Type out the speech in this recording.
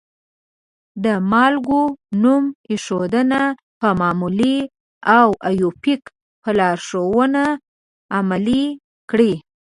د مالګو نوم ایښودنه په معمولي او آیوپک په لارښودنه عملي کړئ.